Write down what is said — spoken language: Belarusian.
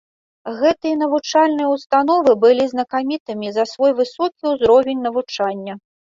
Гэтыя навучальныя ўстановы былі знакамітымі за свой высокі ўзровень навучання.